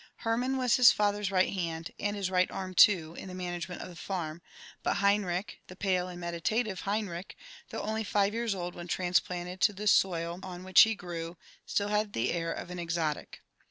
Hermann was his lather's right hand, and his right arm too, in the management of the farm ; but Henrich, the pale and meditative Benrich, though only five years old when trans[riaoled to the soil on which he grew, had still the air of an exotic.